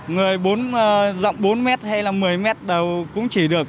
người rộng bốn m hay là một mươi m đầu cũng chỉ được